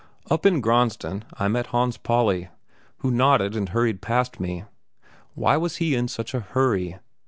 Up in Graendsen I met Hans Pauli, who nodded and hurried past me. Why was he in such a hurry?